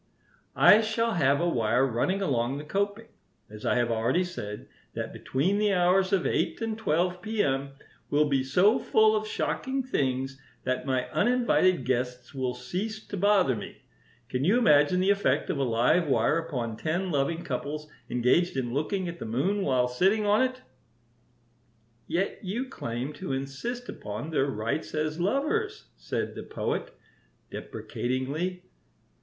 "I shall have a wire running along the coping, as I have already said, that between the hours of eight and twelve p.m. will be so full of shocking things that my uninvited guests will cease to bother me. Can you imagine the effect of a live wire upon ten loving couples engaged in looking at the moon while sitting on it?" "Yet you claim to insist upon their rights as lovers," said the Poet, deprecatingly.